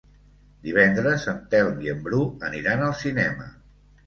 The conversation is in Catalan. Divendres en Telm i en Bru aniran al cinema.